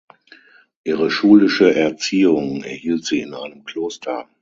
Ihre schulische Erziehung erhielt sie in einem Kloster.